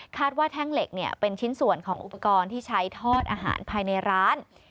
ว่าแท่งเหล็กเป็นชิ้นส่วนของอุปกรณ์ที่ใช้ทอดอาหารภายในร้าน